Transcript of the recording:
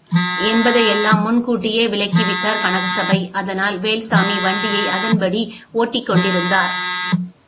என்பதையெல்லாம் முன் கூட்டியே விளக்கி விட்டார் கனகசபை அதனால் வேல்சாமி வண்டியை அதன்படி ஓட்டிக் கொண்டிருந்தார்.